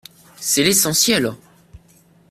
C’est l’essentiel